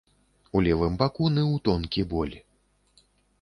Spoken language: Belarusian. У левым баку ныў тонкі боль.